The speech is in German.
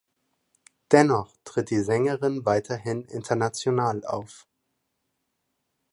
Dennoch tritt die Sängerin weiterhin international auf.